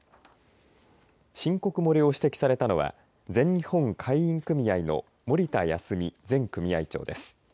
申告漏れを指摘されたのは全日本海員組合の森田保己前組合長です。